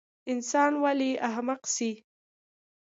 انسان ولۍ احمق سي؟